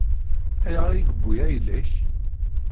Ayɣer i yewwi ayla-k?